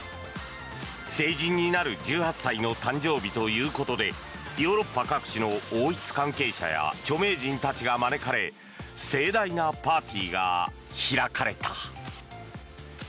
成人になる１８歳の誕生日ということでヨーロッパ各地の王室関係者や著名人たちが招かれ盛大なパーティーが開かれた。